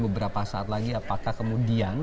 beberapa saat lagi apakah kemudian